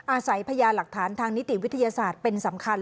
อาศัยพยานหลักฐานทางนิติวิทยาศาสตร์เป็นสำคัญ